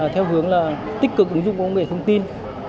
theo hướng là tích cực ứng dụng công nghệ thông tin